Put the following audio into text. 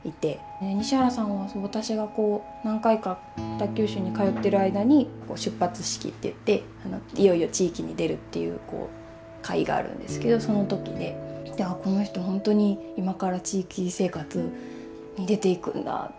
北九州に通ってる間に出発式っていっていよいよ地域に出るっていう会があるんですけどその時でこの人ほんとに今から地域生活に出ていくんだって。